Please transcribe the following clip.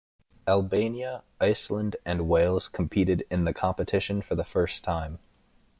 Albania, Iceland and Wales competed in the competition for the first time.